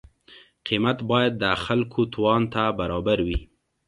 قیمت باید د خلکو توان ته برابر وي.